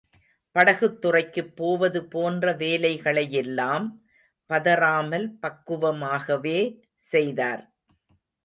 படகுத் துறைக்குப் போவது போன்ற வேலைகளையெல்லாம் பதறாமல் பக்குவமாகவே செய்தார்.